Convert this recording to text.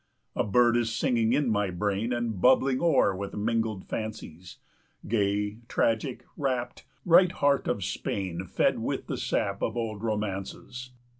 40 "A bird is singing in my brain And bubbling o'er with mingled fancies, Gay, tragic, rapt, right heart of Spain Fed with the sap of old romances.